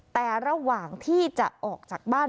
แต่ระหว่างที่จะออกจากบ้าน